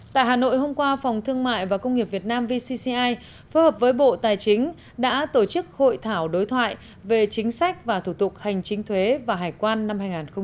tại hà nội hôm qua phòng thương mại và công nghiệp việt nam vcci phối hợp với bộ tài chính đã tổ chức hội thảo đối thoại về chính sách và thủ tục hành chính thuế và hải quan năm hai nghìn hai mươi ba